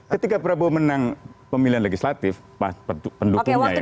ketika prabowo menang pemilihan legislatif pendukungnya yang saya masuk